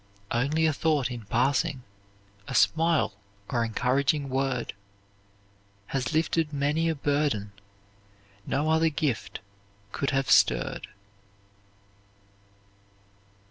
"Only a thought in passing a smile, or encouraging word, Has lifted many a burden no other gift could have stirred."